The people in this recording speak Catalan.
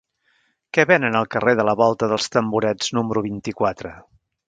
Què venen al carrer de la Volta dels Tamborets número vint-i-quatre?